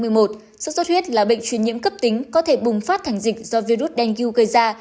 xuất xuất huyết là bệnh chuyên nhiễm cấp tính có thể bùng phát thành dịch do virus dengue gây ra